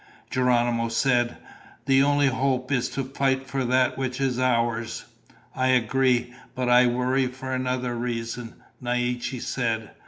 Geronimo said, "The only hope is to fight for that which is ours." "I agree, but I worry for another reason," Naiche said.